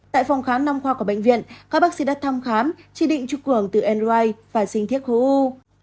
tại phòng khám nông khoa của bệnh viện các bác sĩ đã thăm khám chỉ định chụp cuồng từ nri và xin thiết khu u